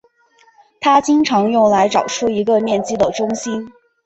它经常用来找出一个面积的中心。